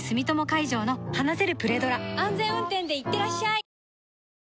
安全運転でいってらっしゃい